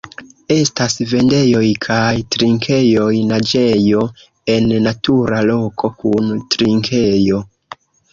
Estas vendejoj kaj trinkejoj, naĝejo en natura loko kun trinkejo.